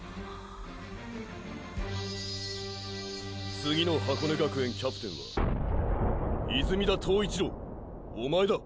次の箱根学園キャプテンは泉田塔一郎おまえだ！